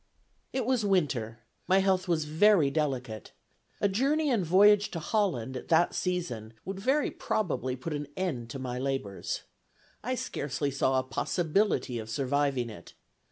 "It was winter. My health was very delicate. A journey and voyage to Holland at that season would very probably put an end to my labors. I scarcely saw a possibility of surviving it.